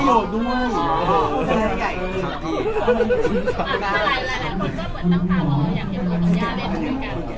อยากต้องร่อมย้อนอยู่ด้วยกัน